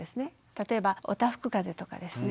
例えばおたふくかぜとかですね